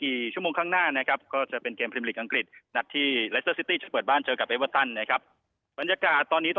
รวมทั้งคุณผู้ชมที่ชมที่อยู่ทางบ้าน